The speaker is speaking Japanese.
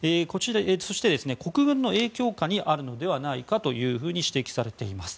そして、国軍の影響下にあるのではないかと指摘されています。